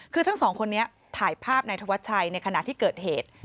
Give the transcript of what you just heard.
คือทั้งสองคนนี้ถ่ายภาพนายธวัชชัยในขณะที่เกิดเหตุ